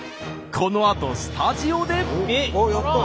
このあとスタジオで！